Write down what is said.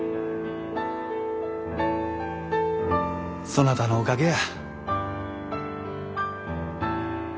そなたのおかげや。